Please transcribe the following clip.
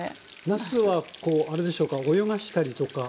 なすはこうあれでしょうか泳がしたりとか。